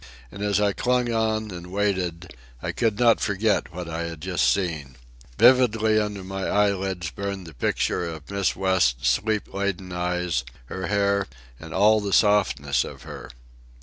And as I clung on and waited, I could not forget what I had just seen. Vividly under my eyelids burned the picture of Miss West's sleep laden eyes, her hair, and all the softness of her.